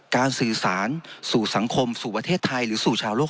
สื่อสารสู่สังคมสู่ประเทศไทยหรือสู่ชาวโลก